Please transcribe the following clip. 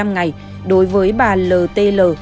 một mươi năm ngày đối với bà l t l